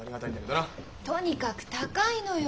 とにかく高いのよ